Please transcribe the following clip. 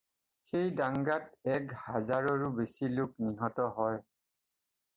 এই দাঙ্গাত এক হাজাৰৰো বেছি লোক নিহত হয়।